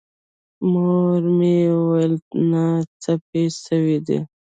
مور مې وويل نه څه پې سوي دي.